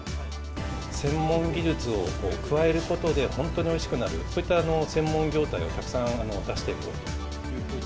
専門技術を加えることで本当においしくなる、そういった専門業態をたくさん出していこうと。